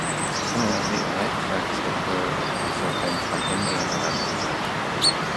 Similarly, light effects occur resulting from in-game events and actions.